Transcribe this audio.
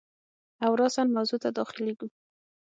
او راساً موضوع ته داخلیږو.